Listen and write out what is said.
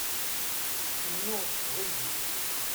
Cennuɣ s teqbaylit.